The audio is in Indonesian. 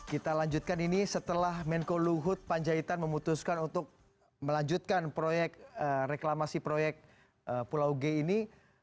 kita lanjutkan ini setelah menko luhut panjaitan memutuskan untuk melanjutkan proyek reklamasi proyek pulau g ini